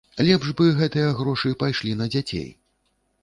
Лепш бы гэтыя грошы пайшлі на дзяцей.